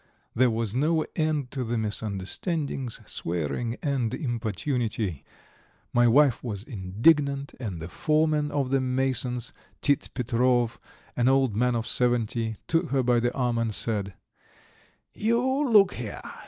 There was no end to the misunderstandings, swearing, and importunity; my wife was indignant, and the foreman of the masons, Tit Petrov, an old man of seventy, took her by the arm, and said: "You look here!